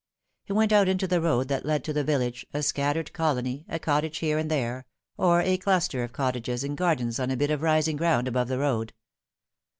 He went out into the road that led to the village, a scattered colony, a cottage here and there, or a cluster of cottages and gardens on a bit of rising ground above the road.